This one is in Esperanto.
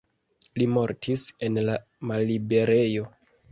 Li mortis en la malliberejo.